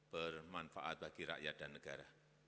bermanfaat bagi rakyat dan negara